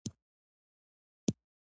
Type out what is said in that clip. ماشومان له یو بل سره د احترام چلند زده کوي